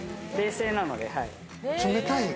冷製なので。